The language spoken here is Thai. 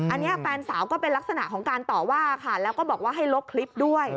อันนี้แฟนสาวก็เป็นลักษณะของการต่อว่าค่ะแล้วก็บอกว่าให้ลบคลิปด้วย